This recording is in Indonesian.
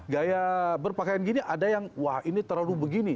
gaya berpakaian gini ada yang wah ini terlalu begini